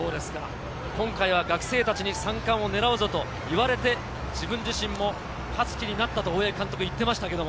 今回は学生たちに３冠を狙うぞと言われて、自分自身も勝つ気になったと大八木監督が言っていました。